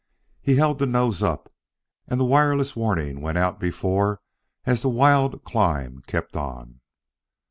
He held the nose up, and the wireless warning went out before as the wild climb kept on.